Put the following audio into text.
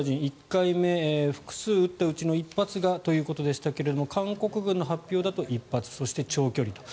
１回目、複数撃ったうちの１発がということでしたが韓国軍の発表だと１発そして長距離と。